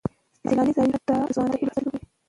سیلاني ځایونه د ځوانانو د هیلو استازیتوب کوي.